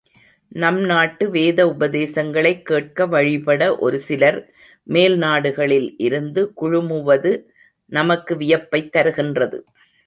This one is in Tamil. நம் நாட்டு வேத உபதேசங்களைக் கேட்க வழிபட ஒரு சிலர்மேல் நாடுகளில் இருந்து குழுமுவது நமக்கு வியப்பைத் தருகின்றது.